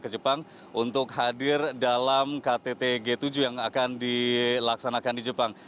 saya berterima kasih kepada presiden jokowi untuk berkontribusi dalam ktt g tujuh di jepang